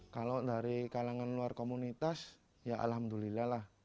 kalau dari kalangan luar komunitas ya alhamdulillah lah